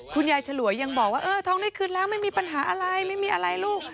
ฉลวยยังบอกว่าเออท้องได้คืนแล้วไม่มีปัญหาอะไรไม่มีอะไรลูก